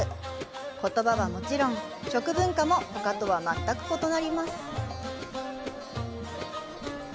言葉はもちろん、食文化もほかとは全く異なります。